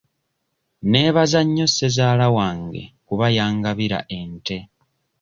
Neebaza nnyo ssezaala wange kuba yangabira ente.